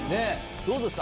どうですか？